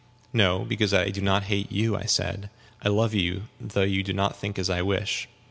"No, because I do not hate you," I said; "I love you, though you do not think as I wish.